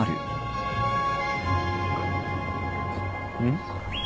ん？